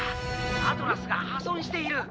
アトラスが破損している！」。